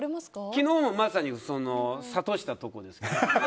昨日もまさに諭したところです。